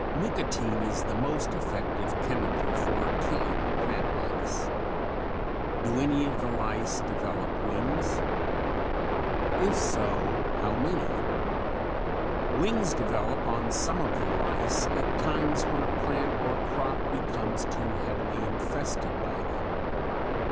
Nicotine is the most effective chemical for killing plant lice. Do any of the lice develop wings? If so, how many? Wings develop on some of the lice at times when a plant or crop becomes too heavily infested by them.